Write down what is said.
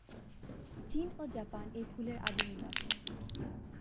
চীন ও জাপান এই ফুলের আদি নিবাস।